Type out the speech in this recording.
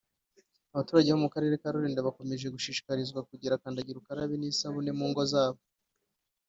abaturage bo mu Karere ka Rulindo bakomeje gushishikarizwa kugira kandagirukarabe n’isabune mu ngo zabo